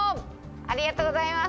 ありがとうございます。